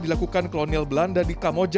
dilakukan klonil belanda di kamograva